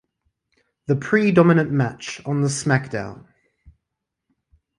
The predominant match on the SmackDown!